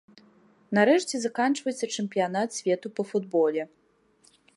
Нарэшце заканчваецца чэмпіянат свету па футболе.